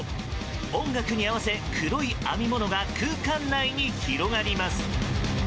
音楽に合わせ、黒い編み物が空間内に広がります。